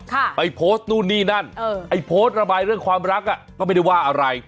ไปโพสต์นู่นนี่นั่นเออไอ้โพสต์ระบายเรื่องความรักอ่ะก็ไม่ได้ว่าอะไร